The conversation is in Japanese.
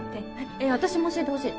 え私も教えてほしい。